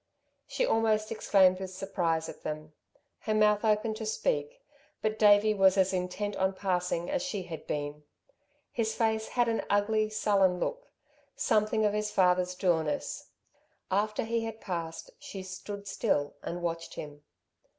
She almost exclaimed with surprise at them. Her mouth opened to speak. But Davey was as intent on passing as she had been. His face had an ugly, sullen look, something of his father's dourness. After he had passed she stood still and watched him.